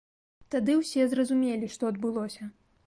Тады ўсе зразумелі, што адбылося.